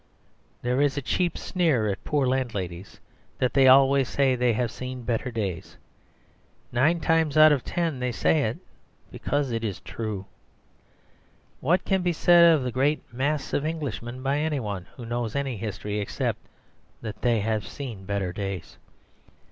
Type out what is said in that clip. There is a cheap sneer at poor landladies: that they always say they have seen better days. Nine times out of ten they say it because it is true. What can be said of the great mass of Englishmen, by anyone who knows any history, except that they have seen better days?